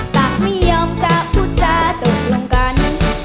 ต่างไม่ยอมจะพูดจาตกลงกัน